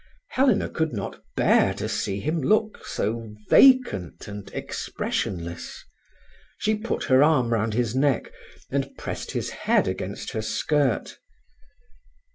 Helena could not bear to see him look so vacant and expressionless. She put her arm round his neck, and pressed his head against her skirt.